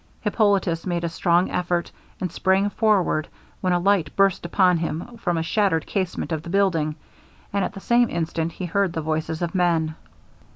Hippolitus made a strong effort, and sprang forward, when a light burst upon him from a shattered casement of the building, and at the same instant he heard the voices of men!